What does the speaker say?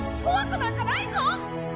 怖くなんかないぞ！